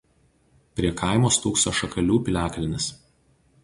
Prie kaimo stūkso Šakalių piliakalnis.